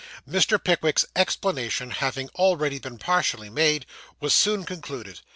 Mr. Pickwick's explanation having already been partially made, was soon concluded.